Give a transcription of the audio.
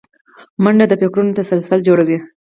منډه د فکرونو تسلسل جوړوي